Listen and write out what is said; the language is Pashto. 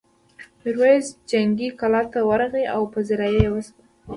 میرويس جنګي کلا ته ورغی او پذيرايي یې وشوه.